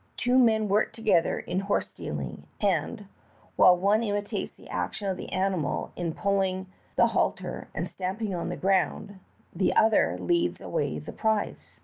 Two men work together in horse stealing, and, while one imitates the action of the animal in pulling the halter and stamping on the ground, the other leads away the prize.